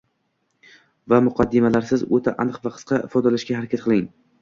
va muqaddimalarsiz o‘ta aniq va qisqa ifodalashga harakat qiling